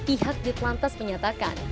ihak ditlantas menyatakan